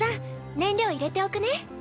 燃料入れておくね。